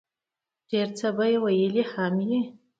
ډېر څۀ به ئې ويلي هم وي